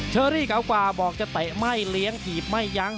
เชอรี่เก่ากว่าบอกจะเตะไม่เลี้ยงถีบไม่ยั้ง